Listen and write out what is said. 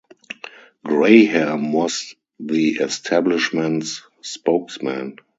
Graham was the establishment's spokesman.